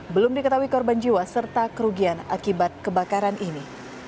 belum diketahui korban jiwa serta kerugian akibat kebakaran ini